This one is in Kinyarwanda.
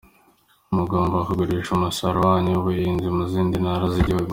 Mugomba kugurisha umusaruro wanyu w’ubuhinzi mu zindi ntara z’igihugu.